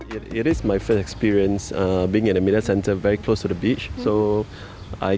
ini adalah pengalaman pertama saya berada di pusat media sangat dekat dengan pantai